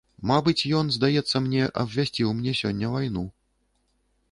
Мабыць, ён, здаецца мне, абвясціў мне сёння вайну.